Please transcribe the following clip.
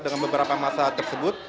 dengan beberapa masa tersebut